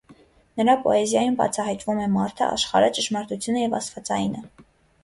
Նրա պոեզիայում բացահայտվում է մարդը, աշխարհը, ճշմարտությունը և աստվածայինը։